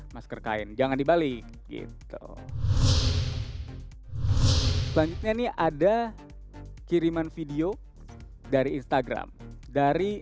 masker kain jangan dibalik gitu selanjutnya nih ada kiriman video dari instagram dari